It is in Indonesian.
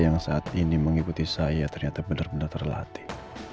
yang saat ini mengikuti saya ternyata benar benar terlatih